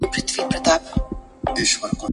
که ماشومان سم لارښود ولري، استعدادونه غوړېږي.